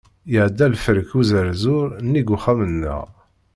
Iɛedda lferk uẓerzur nnig uxxam-nneɣ.